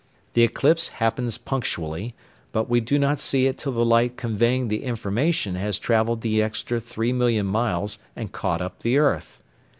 The eclipse happens punctually, but we do not see it till the light conveying the information has travelled the extra three million miles and caught up the earth.